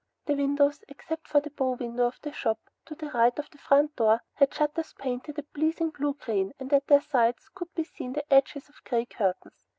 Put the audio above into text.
The windows except for the bow window of the shop to the right of the front door had shutters painted a pleasing bluey green, and at their sides could be seen the edges of gay curtains.